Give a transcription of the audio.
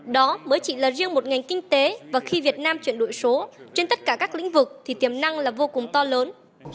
đó mới chỉ là riêng một ngành kinh tế và khi việt nam chuyển đổi số trên tất cả các lĩnh vực thì tiềm năng là vô cùng to lớn